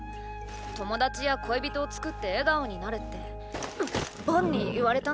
友達や恋人を作って笑顔になれってボンに言われたんだ。